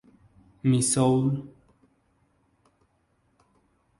My Soul".